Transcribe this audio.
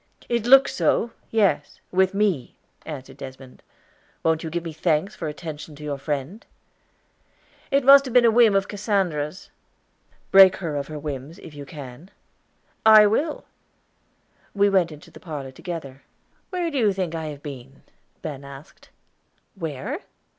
"It looks so. Yes, with me," answered Desmond. "Wont you give me thanks for attention to your friend?" "It must have been a whim of Cassandra's." "Break her of whims, if you can " "I will." We went into the parlor together. "Where do you think I have been?" Ben asked. "Where?"